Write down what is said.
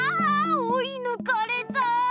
おいぬかれた！